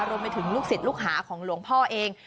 รวมไปถึงลูกศิษย์ลูกหาของหลวงพ่อเอง